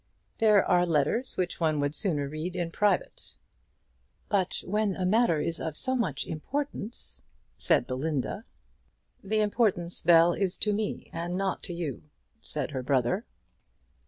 "There are letters which one would sooner read in private." "But when a matter is of so much importance " said Belinda. "The importance, Bel, is to me, and not to you," said her brother.